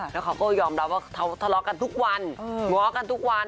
แล้วเขาก็ยอมรับว่าเขาทะเลาะกันทุกวันง้อกันทุกวัน